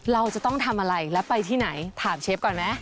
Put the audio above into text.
เราจะต้องทำอะไรแล้วไปที่ไหนถามเชฟก่อนไหม